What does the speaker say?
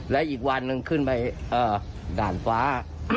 และอีกวันหนึ่งขึ้นไปด่านฟ้า